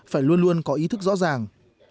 phải luôn luôn có ý thức rõ ràng